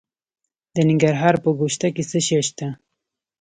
د ننګرهار په ګوشته کې څه شی شته؟